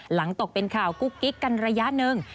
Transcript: ตกเป็นข่าวกุ๊กกิ๊กกันระยะหนึ่ง